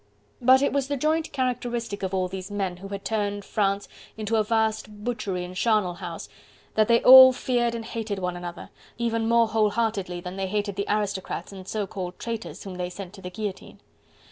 But it was the joint characteristic of all these men who had turned France into a vast butchery and charnel house, that they all feared and hated one another, even more whole heartedly than they hated the aristocrats and so called traitors whom they sent to the guillotine.